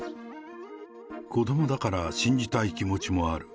子どもから信じたい気持ちもある。